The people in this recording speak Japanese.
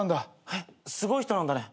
えっすごい人なんだね。